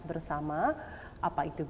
bersama apa itu green space